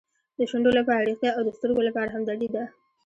د شونډو لپاره ریښتیا او د سترګو لپاره همدردي ده.